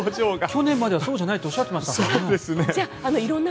去年まではそうじゃないっておっしゃってましたもんね。